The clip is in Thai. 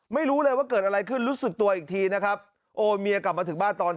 ไม่รู้เลยว่าเกิดอะไรขึ้นรู้สึกตัวอีกทีนะครับโอ้เมียกลับมาถึงบ้านตอน